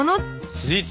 スイーツ？